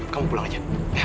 kamu pulang aja ya